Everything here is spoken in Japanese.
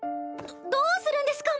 どどうするんですか？